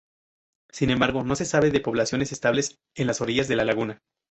Sin embargo, no se sabe de poblaciones estables en las orillas de la laguna.